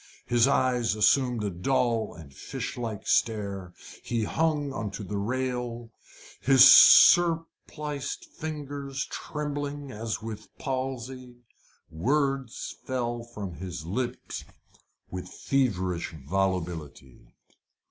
His eyes assumed a dull and fish like stare. He hung on to the rail, his surpliced figure trembling as with palsy. Words fell from his lips with feverish volubility.